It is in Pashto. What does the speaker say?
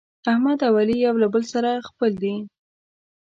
احمد او علي یو له بل سره خپل دي.